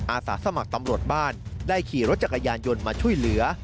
อาสาสมัครตำรวจบ้านได้ขี่รถจักรยานยนต์มาช่วยเหลือ